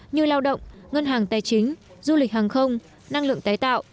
như lao động ngân hàng tài chính du lịch hàng không năng lượng tái tạo